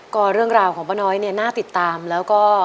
ก็เรื่องราวของป้าน้อยเนี่ยน่าติดตามแล้วก็